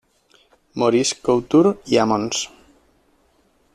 Maurice Couture y a Mons.